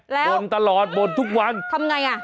แล้วบ่นตลอดบ่นทุกวันทำไงอ่ะ